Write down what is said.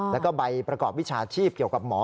แล้วก็ใบประกอบวิชาชีพเกี่ยวกับหมอ